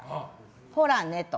ほらねと。